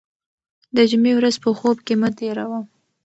د جمعې ورځ په خوب کې مه تېروه.